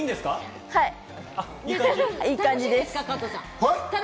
いい感じです。